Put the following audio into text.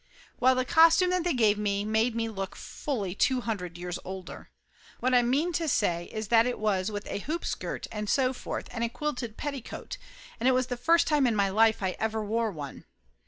Well, the costume that they gave me made me look fully two hundred years older. What I mean to say is that it was with a hoop skirt and so forth and a quilted petticoat and it was the first time in my life I ever wore one.